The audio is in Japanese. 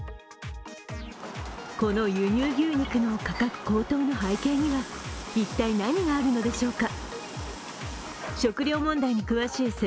この輸入牛肉の価格高騰の背景には一体何があるのでしょうか。